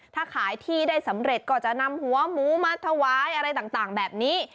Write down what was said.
ถ้าขายที่ได้สำเร็จก็จะนำหัวหมูมาถวายอะไรต่างแบบนี้